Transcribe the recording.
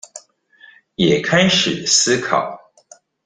也開始思考